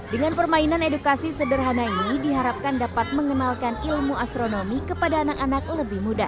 dengan permainan edukasi sederhana ini diharapkan dapat mengenalkan ilmu astronomi kepada anak anak lebih muda